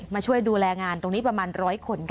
มาช่วยดูแลงานตรงนี้ประมาณ๑๐๐คนค่ะ